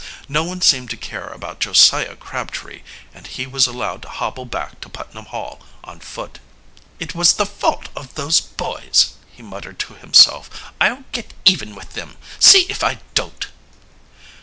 No one seemed to care about Josiah Crabtree, and he was allowed to hobble back to Putnam Hall on foot. "It was the fault of those boys," he muttered to himself. "I'll get even with them, see if I don't!"